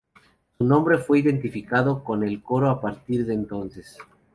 Su nombre fue identificado con el coro a partir de entonces.